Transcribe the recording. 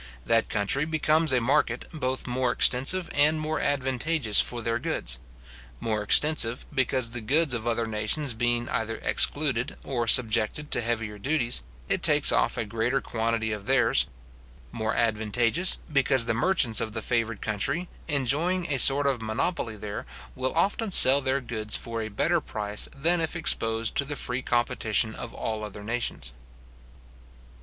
That country becomes a market, both more extensive and more advantageous for their goods: more extensive, because the goods of other nations being either excluded or subjected to heavier duties, it takes off a greater quantity of theirs; more advantageous, because the merchants of the favoured country, enjoying a sort of monopoly there, will often sell their goods for a better price than if exposed to the free competition of all other nations.